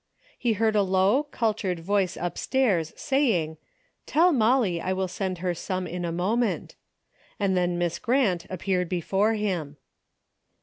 He heard a low cul tured voice upstairs saying :" Tell Molly I will send her some in a moment," and then Miss Grant appeared before him.